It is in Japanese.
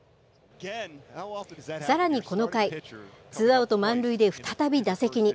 さらにこの回、ツーアウト満塁で、再び打席に。